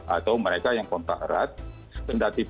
atau mereka yang kontak erat